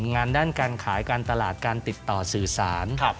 งานด้านการขายการตลาดการติดต่อสื่อสาร